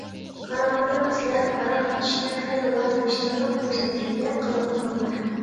قارىغاندا، سىلەر ھاراق ئىچىشتە خېلىلا تىرىشچانلىق كۆرسەتكەندەك قىلاتتىڭلار.